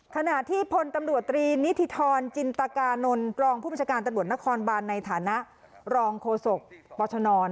ขณะที่พลตำรวจตรีนิธิธรจินตกานนท์รองผู้บัญชาการตำรวจนครบานในฐานะรองโฆษกปชน